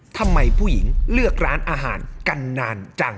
ทำไมผู้หญิงเลือกร้านอาหารกันนานจัง